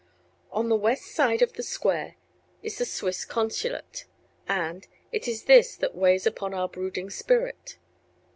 On the west side of the Square is the Swiss consulate, and, it is this that weighs upon our brooding spirit.